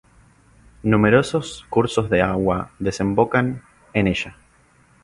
Numerosos cursos de agua desembocan en ella.